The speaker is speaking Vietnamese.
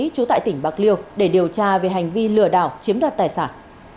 trú tại tỉnh bạc liêu để điều tra về hành vi lừa đảo chiếm đoạt tài sản